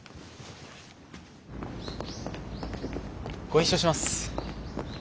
ご一緒します。